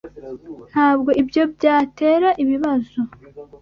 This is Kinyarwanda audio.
Ntabwo ibyo byatera ibibazo?